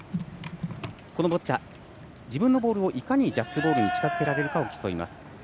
ボッチャは自分のボールをいかにジャックボールに近づけられるかを競います。